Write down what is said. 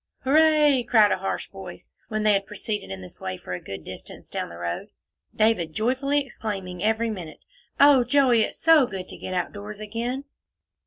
"Hooray!" cried a harsh voice, when they had proceeded in this way for a good distance down the road, David joyfully exclaiming every minute, "Oh, Joey, it's so good to get out doors again."